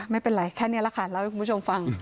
ไม่เป็นไรแค่นี้แหละค่ะเล่าให้คุณผู้ชมฟัง